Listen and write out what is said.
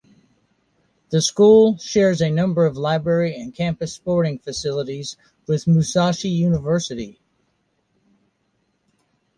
The school shares a number of library and campus sporting facilities with Musashi University.